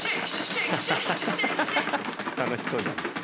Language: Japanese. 楽しそうだ。